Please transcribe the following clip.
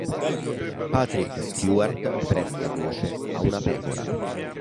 Patrick Stewart presta voce a una pecora.